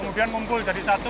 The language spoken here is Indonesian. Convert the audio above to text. kemudian mumpul jadi satu